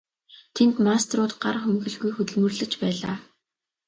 Тэнд мастерууд гар хумхилгүй хөдөлмөрлөж байлаа.